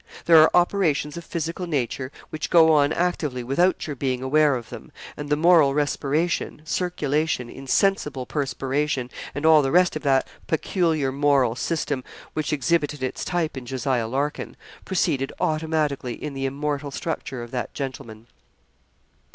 There are operations of physical nature which go on actively without your being aware of them; and the moral respiration, circulation, insensible perspiration, and all the rest of that peculiar moral system which exhibited its type in Jos. Larkin, proceeded automatically in the immortal structure of that gentleman.